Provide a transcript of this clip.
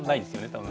多分。